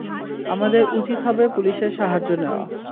আমাদের উচিৎ হবে পুলিশের সাহায্য নেওয়া।